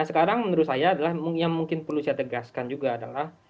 sekarang menurut saya adalah yang mungkin perlu saya tegaskan juga adalah